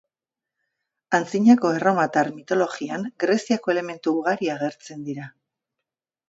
Antzinako erromatar mitologian Greziako elementu ugari agertzen dira.